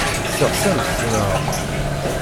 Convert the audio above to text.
Tesseɣtamt-tt, naɣ?